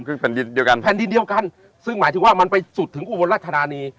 คือแผ่นดินเดียวกันแผ่นดินเดียวกันซึ่งหมายถึงว่ามันไปสุดถึงอุบลรัชธานี